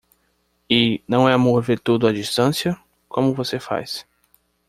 E não é amor ver tudo à distância? como você faz.